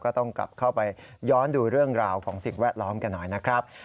ก็ต้องกลับเข้าไปย้อนดูเรื่องราวของสิ่งแวดล้อมกันหน่อยนะครับ